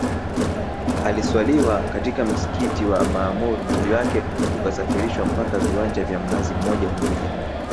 Aliswaliwa katika msikiti wa maamur mwili wake ukasafirishwa mpaka viwanja vya mnazi mmoja unguja